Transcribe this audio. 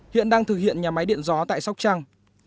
hiện đang thực hiện nhà máy điện gió tại sóc trăng